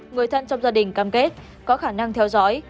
người thân trong gia đình cam kết có khả năng theo dõi